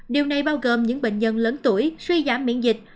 điều này bao gồm những bệnh nhân lớn tuổi suy giảm miễn dịch